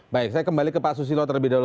baik saya kembali ke pak susilo terlebih dahulu